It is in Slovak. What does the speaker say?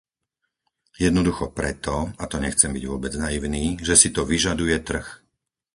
Jednoducho preto, a to nechcem byť vôbec naivný, že si to vyžaduje trh.